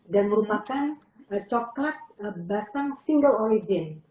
dan merupakan coklat batang single origin